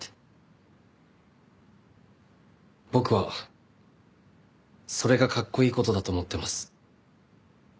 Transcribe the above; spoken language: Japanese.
僕はそれがかっこいい事だと思ってます。